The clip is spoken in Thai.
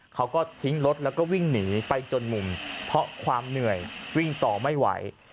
เขาก็ทิ้งรถแล้วก็วิ่งหนีไปจนมุมเพราะความเหนื่อยวิ่งต่อไม่ไหว